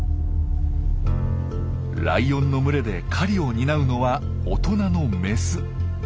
ライオンの群れで狩りを担うのは大人のメス。